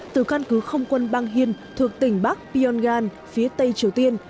từ căn cứ không quân bang hien thuộc tỉnh bắc pyongyang phía tây triều tiên